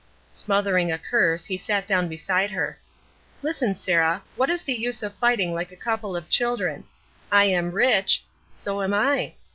Smothering a curse, he sat down beside her. "Listen, Sarah. What is the use of fighting like a couple of children. I am rich " "So am I."